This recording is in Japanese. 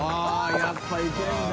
やっぱいけるんだ。